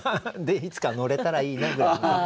いつか乗れたらいいなぐらいの。